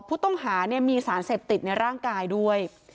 ผู้ต้องหามีสารเสพติดในร่างกายด้วย